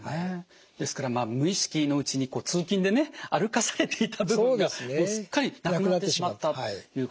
ですから無意識のうちに通勤でね歩かされていた部分がすっかりなくなってしまったということなんですね。